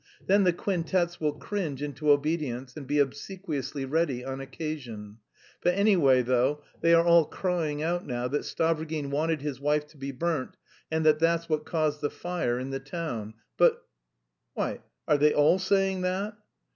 Then the quintets will cringe into obedience and be obsequiously ready on occasion. But, anyway, though, they are all crying out now that Stavrogin wanted his wife to be burnt and that that's what caused the fire in the town, but..." "Why, are they all saying that?"